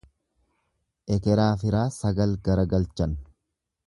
Ekeraa firaa sagal garagalchan.